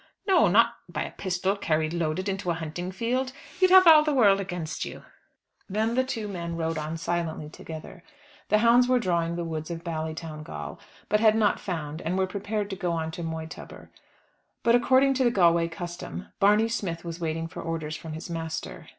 "No; not by a pistol carried loaded into a hunting field. You would have all the world against you." Then the two men rode on silently together. The hounds were drawing the woods of Ballytowngal, but had not found, and were prepared to go on to Moytubber. But, according to the Galway custom, Barney Smith was waiting for orders from his master.